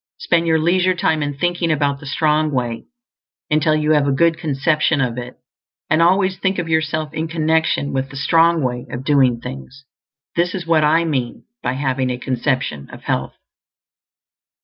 Spend your leisure time in thinking about the Strong Way, until you have a good conception of it; and always think of yourself in connection with the Strong Way of Doing Things. That is what I mean by having a Conception of Health.